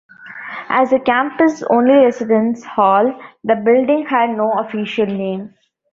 As the campus's only residence hall, the building had no official name.